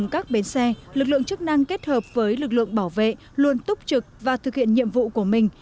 các bến xe lực lượng chức năng kết hợp với lực lượng bảo vệ luôn túc trực và thực hiện nhiệm vụ của mình